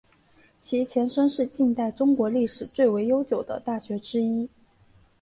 其前身是近代中国历史最为悠久的大学之一。